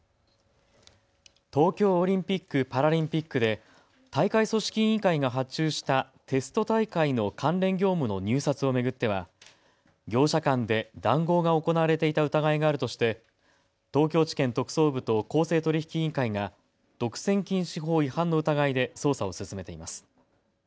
東京オリンピック・パラリンピックで大会組織委員会が発注したテスト大会の関連業務の入札を巡っては業者間で談合が行われていた疑いがあるとして東京地検特捜部と公正取引委員会が独占禁止法違反の疑いで捜査を進めています。